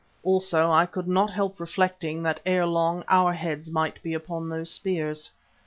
Also I could not help reflecting that ere long our heads might be upon those spears.